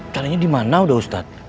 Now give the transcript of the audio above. kalinya dimana udah ustadz